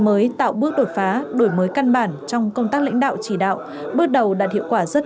mới tạo bước đột phá đổi mới căn bản trong công tác lãnh đạo chỉ đạo bước đầu đạt hiệu quả rất